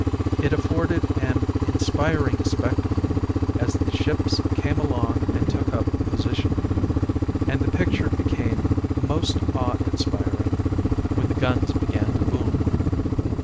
It afforded an inspiring spectacle as the ships came along and took up position, and the picture became most awe inspiring when the guns began to boom.